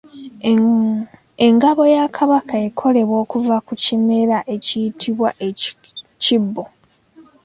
Engabo ya Kabaka ekolebwa kuva ku kimera ekiyitibwa Ekibo.